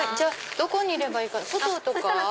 どこにいればいいかな？